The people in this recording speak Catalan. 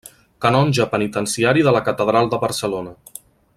Canonge penitenciari de la Catedral de Barcelona.